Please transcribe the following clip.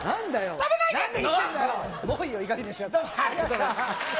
食べないで！